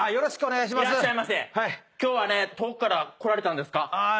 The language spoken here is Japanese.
今日はね遠くから来られたんですか？